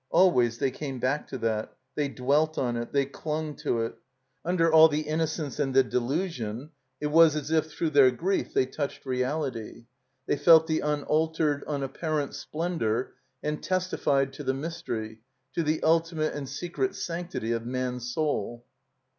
Alwa)^ they came back to that, they dwelt on it, they clung to it. Under all the innocence and the delusion it was as if, through their grief, they touched reality, they felt the tmaltered, imapparent splendor, and testified to the mystery, to the ultimate and secret sanctity of man's soul.